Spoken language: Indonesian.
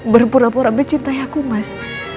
berpura pura mencintai aku mas